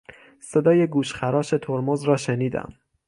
صدای گوشخراش ترمز را شنیدم.